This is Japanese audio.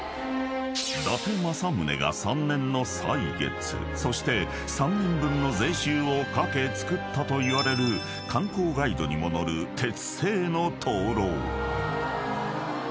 ［伊達政宗が３年の歳月そして３年分の税収をかけ作ったといわれる観光ガイドにも載る鉄製の灯籠］